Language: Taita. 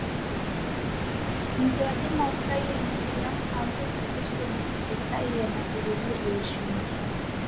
Mndu wadima ukaiye Mwisilamu amu Mkristo na usekaiye na irumiro jhingi